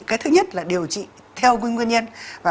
cái thứ nhất là điều trị theo nguyên nhân